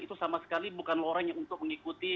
itu sama sekali bukan loreng untuk mengikuti